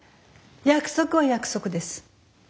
約束は約束です。